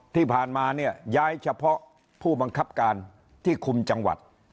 ที่ผ่านมาเนี่ยย้ายเฉพาะผู้บังคับการที่คุมจังหวัด